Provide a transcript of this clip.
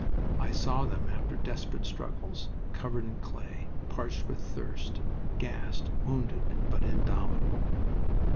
I saw them after desperate struggles, covered in clay, parched with thirst, gassed, wounded, but indomitable.